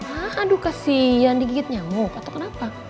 aduh kasihan digigit nyamuk atau kenapa